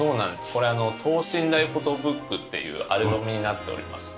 これは等身大フォトブックっていうアルバムになっておりまして